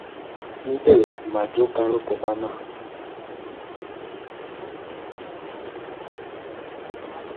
Nde m'ajô Karekôba na.